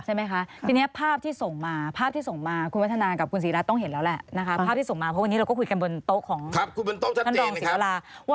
ใช่ไหมคะทีนี้ภาพที่ส่งมาภาพที่ส่งมาคุณวัฒนากับกุธสีรัฐเราต้องเห็นแล้วแหละ